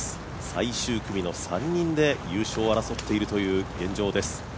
最終組の３人で優勝を争っているという現状です。